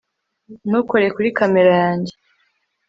ntukore kuri kamera yanjye